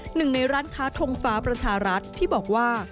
หนึ่งในร้านค้าทงฟ้าประชารัฐที่บอกว่า